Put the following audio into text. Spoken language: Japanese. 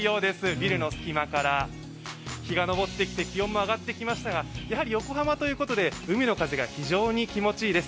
ビルの隙間から日が昇ってきて気温も上がってきましたが、横浜ということで海の風が非常に気持ちいいです。